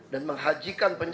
dan menghaji guru guru mengaji